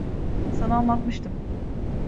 Sana anlatmıştım.